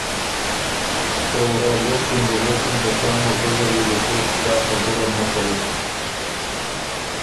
او رابوت کی ن بُو غوېکِن که سا موقع زر يې بو کوک سا خبُره نک کوِن